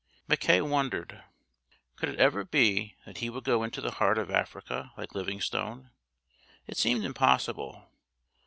'" Mackay wondered. Could it ever be that he would go into the heart of Africa like Livingstone? it seemed impossible.